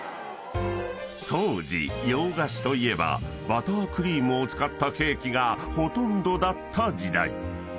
［当時洋菓子といえばバタークリームを使ったケーキがほとんどだった時代］